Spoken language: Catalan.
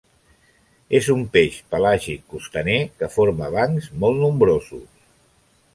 És un peix pelàgic costaner que forma bancs molt nombrosos.